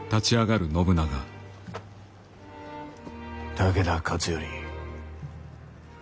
武田勝頼